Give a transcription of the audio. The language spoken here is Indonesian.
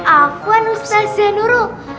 aku anustazah nuru